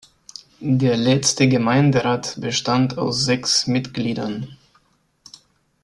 Der letzte Gemeinderat bestand aus sechs Mitgliedern.